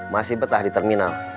masih betah di terminal